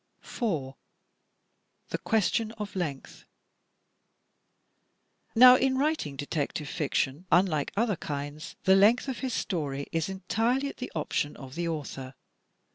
4, The Question of Length Now, in writing detective fiction, unlike other kinds, the length of his story is entirely at the option of the author.